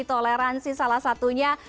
toleransi salah satunya